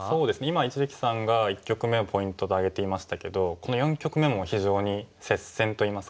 今一力さんが一局目をポイントと挙げていましたけどこの四局目も非常に接戦といいますか。